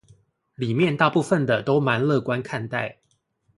裡面大部分的都蠻樂觀看待